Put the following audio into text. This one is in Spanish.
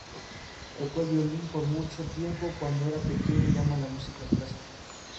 Tocó el violín por mucho tiempo cuando era pequeña y ama la música clásica.